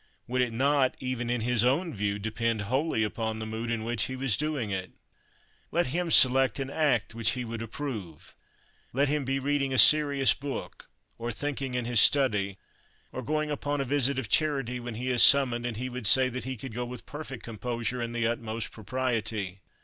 Would it not, even in his own view, depend wholly upon the mood in which he was doing it? Let him select an act which he would approve. Let him be reading a serious book, or thinking in his study, or going upon a visit of charity when he is summoned, and he would say that he could go with perfect composure and the utmost propriety.